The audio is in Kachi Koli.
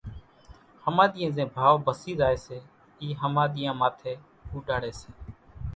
ۿماۮِيئين زين ڀائو پسي زائي سي اِي ۿماۮيان ماٿيَ اُوڏاڙي سي